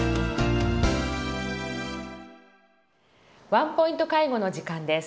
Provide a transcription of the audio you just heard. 「ワンポイント介護」の時間です。